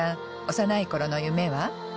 幼い頃の夢は？